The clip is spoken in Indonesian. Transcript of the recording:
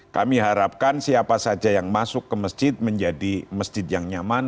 kami harapkan siapa saja yang masuk ke masjid menjadi masjid yang nyaman